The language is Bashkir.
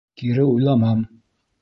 Кире уйламам!